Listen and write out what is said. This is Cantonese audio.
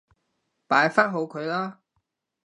擺返好佢啦